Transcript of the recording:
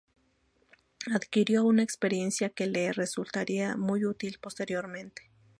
Adquirió una experiencia que le resultaría muy útil posteriormente.